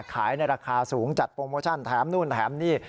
ขายในราคาสูงจัดโปรโมชั่นแถมนู่นแถมนี่